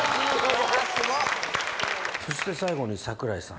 そして最後に櫻井さん。